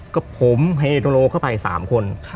ก็ผมให้โจรหรือเข้าไป๓คน